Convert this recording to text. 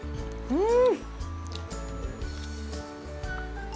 うん。